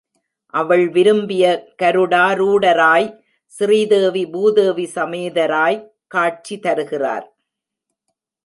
அவள் விரும்பிய கருடாரூடராய் ஸ்ரீதேவி பூதேவி சமேதராய்க் காட்சி தருகிறார்.